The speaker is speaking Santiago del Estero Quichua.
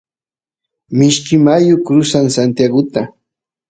mishki mayu crusan santiaguta